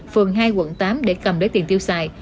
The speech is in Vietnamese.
phường hai quận tám để cầm lấy tiền tiêu xài